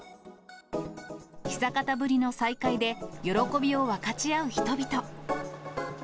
久方ぶりの再会で喜びを分かち合う人々。